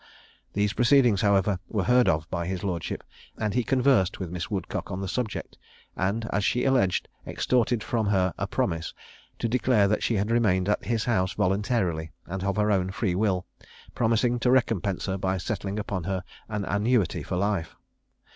These proceedings, however, were heard of by his lordship, and he conversed with Miss Woodcock on the subject, and, as she alleged, extorted from her a promise to declare that she had remained at his house voluntarily and of her own free will, promising to recompense her by settling upon her an annuity for life.